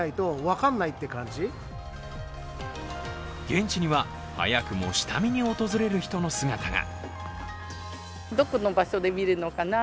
現地には、早くも下見に訪れる人の姿が。